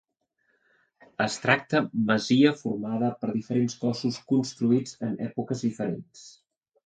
Es tracta masia formada per diferents cossos construïts en èpoques diferents.